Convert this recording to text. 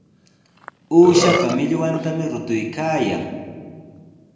Uushapa millwantami rutuykaayan.